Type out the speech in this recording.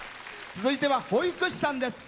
続いては保育士さんです。